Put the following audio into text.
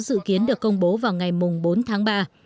dự kiến được công bố vào ngày bốn tháng ba